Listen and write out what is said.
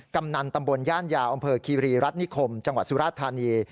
กำนันตำบลย่านยาวอำเภอคีรีรัฐนิคมจังหวัดสุราธานี